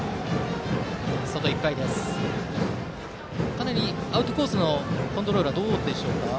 かなりアウトコースのコントロールはどうでしょうか？